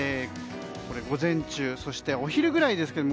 こちらは午前中、そしてお昼ぐらいです。